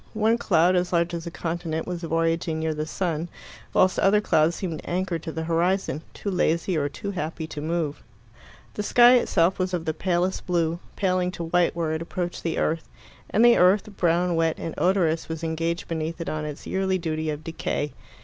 One cloud, as large as a continent, was voyaging near the sun, whilst other clouds seemed anchored to the horizon, too lazy or too happy to move. The sky itself was of the palest blue, paling to white where it approached the earth; and the earth, brown, wet, and odorous, was engaged beneath it on its yearly duty of decay.